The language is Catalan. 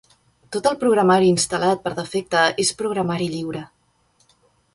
Tot el programari instal·lat per defecte és programari lliure.